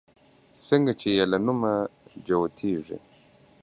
څنگه چې يې له نوم جوتېږي